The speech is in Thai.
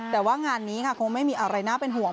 แต่ว่างานนี้ค่ะคงไม่มีอะไรน่าเป็นห่วง